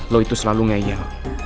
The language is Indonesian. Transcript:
lo itu selalu ngeyel